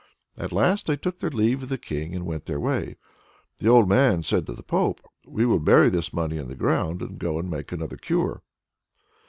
At last they took their leave of the King and went their way. The old man said to the Pope, "We'll bury this money in the ground, and go and make another cure."